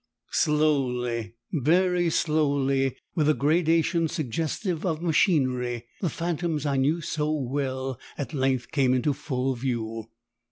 Slowly, very slowly, with a gradation suggestive of machinery, the phantoms I knew so well at length came into full view.